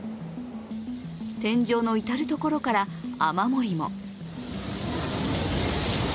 天井の至る所から、雨漏りも。